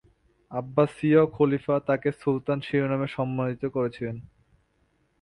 আব্বাসীয় খলিফা তাকে সুলতান শিরোনামে সম্মানিত করেছিলেন।